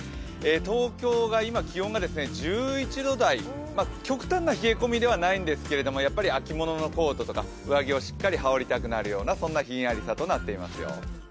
東京が今、気温が１１度台、極端な冷え込みではないんですけどやっぱり秋物のコートとか上着をしっかり羽織りたくなるようなそんなひんやりさとなっておりますよ。